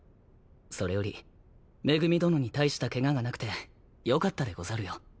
それより恵殿に大したケガがなくてよかったでござるよ。